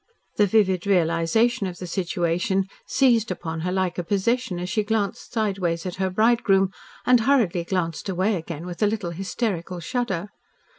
The vivid realisation of the situation seized upon her like a possession as she glanced sideways at her bridegroom and hurriedly glanced away again with a little hysterical shudder.